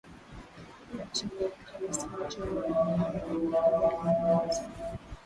la chungwa Lakini si watu wengi walioamini au kujali elimu hizo